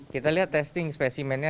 kita lihat testing spesimennya